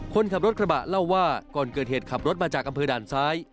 คนขับรถกระบะเล่าว่าก่อนเกิดเหตุขับรถมาจากอำเภอด่านซ้าย